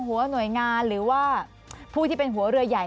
หัวหน่วยงานหรือว่าผู้ที่เป็นหัวเรือใหญ่